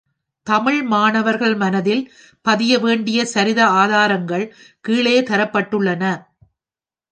தமிழ் மாணவர்கள் மனதில் பதிய வேண்டிய சரித ஆதாரங்கள் கீழே தரப்பட்டுள்ளன.